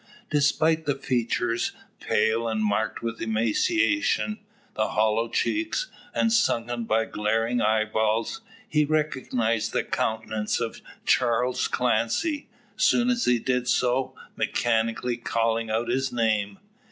Despite the features, pale and marked with emaciation, the hollow cheeks, and sunken but glaring eyeballs, he recognised the countenance of Charles Clancy; soon as he did so, mechanically calling out his name.